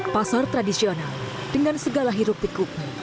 pasar tradisional dengan segala hirup pikuknya